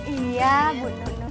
iya bu nur